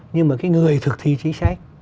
nhưng mà cái người thực thi chính sách